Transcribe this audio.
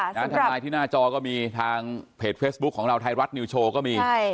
ทนายที่หน้าจอก็มีทางเพจเฟซบุ๊คของเราไทยรัฐนิวโชว์ก็มี